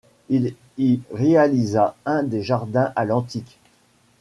Il y réalisa un des jardins à l'antique.